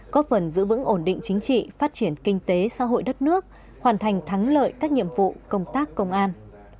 có phần giữ vững ổn định chính trị phát triển kinh tế xã hội đất nước hoàn thành thắng lợi các nhiệm vụ công tác công an